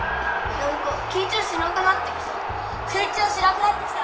きんちょうしなくなってきた！